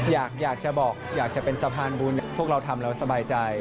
อยากจะบอกอยากจะเป็นสะพานบุญพวกเราทำเราสบายใจ